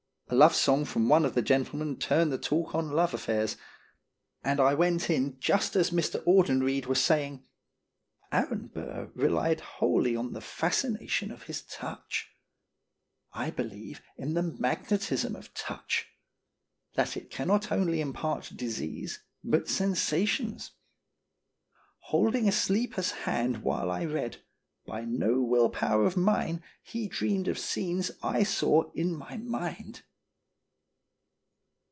A love song from one of the gentlemen turned the talk on love affairs, and I went in just as Mr. Audenried was saying: "Aaron Burr relied wholly on 224 & 0tn0rn Statement. the fascination of his touch. I believe in the magnetism of touch ; that it cannot only im part disease but sensations. Holding a sleeper's hand while I read, by no will power of mine he dreamed of scenes I saw in my mind."